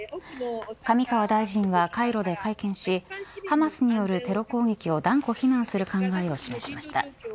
上川大臣はカイロで会見しハマスによるテロ攻撃を断固非難する考えを示しました。